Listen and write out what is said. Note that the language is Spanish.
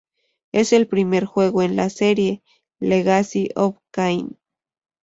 Es el primer juego en la serie "Legacy of Kain".